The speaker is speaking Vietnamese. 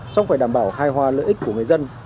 xong phải đảm bảo hài hòa lợi ích của người dân